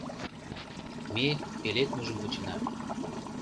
Ме пеледмыжым вучена.